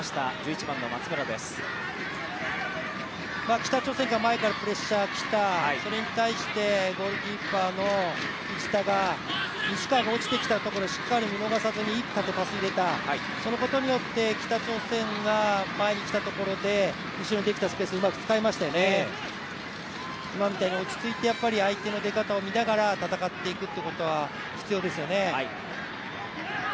北朝鮮は前からプレッシャーきた、それにたいしてゴールキーパーの藤田が西川が落ちてきたところをしっかりと見逃さずに、いい縦パスを入れた、そのことによって北朝鮮が前に来たところで、後ろにできたスペースをうまく使いましたよね、今みたいに落ち着いて相手の出方を見ながら戦っていくということは必要ですよね。